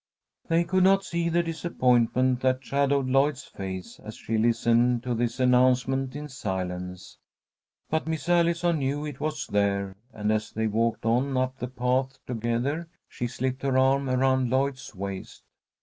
They could not see the disappointment that shadowed Lloyd's face as she listened to this announcement in silence. But Miss Allison knew it was there, and, as they walked on up the path together, she slipped her arm around Lloyd's waist.